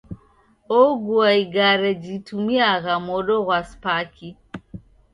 Ogua igare jitumiagha modo ghwa spaki.